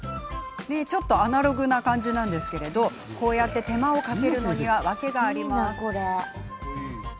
ちょっとアナログな感じなんですが、機械に頼らず手間をかけるのは訳があります。